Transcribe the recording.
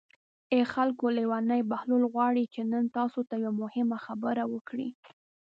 ای خلکو لېونی بهلول غواړي چې نن تاسو ته یوه مهمه خبره وکړي.